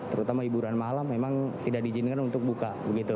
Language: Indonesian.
terutama hiburan malam memang tidak diizinkan untuk buka